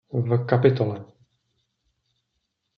V kap.